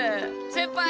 先輩！